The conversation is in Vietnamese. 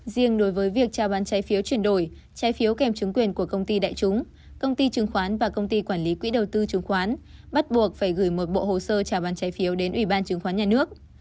riêng đối với việc trao bán trái phiếu chuyển đổi trái phiếu kèm chứng quyền của công ty đại chúng công ty chứng khoán và công ty quản lý quỹ đầu tư chứng khoán bắt buộc phải gửi một bộ hồ sơ trả bán trái phiếu đến ủy ban chứng khoán nhà nước